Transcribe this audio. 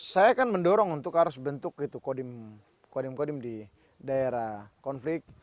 saya kan mendorong untuk harus bentuk kodim kodim di daerah konflik